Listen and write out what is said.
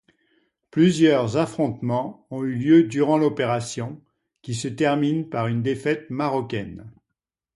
Plusieurs affrontements ont eu lieu durant l'opération, qui se termine par une défaite marocaine.